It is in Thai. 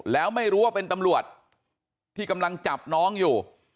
แล้วไม่รู้ว่าเป็นตำรวจที่กำลังจับน้องอยู่